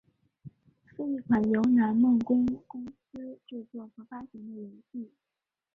是一款由南梦宫公司制作和发行的游戏。